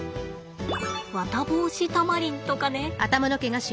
ワタボウシタマリンとかね。